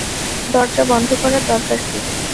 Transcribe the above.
দরজা বন্ধ করার দরকার কী?